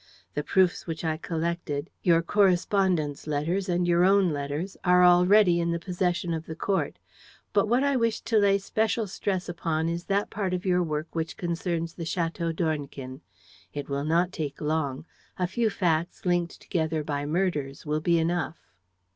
The proofs which I collected, your correspondent's letters and your own letters, are already in the possession of the court. But what I wish to lay special stress upon is that part of your work which concerns the Château d'Ornequin. It will not take long: a few facts, linked together by murders, will be enough."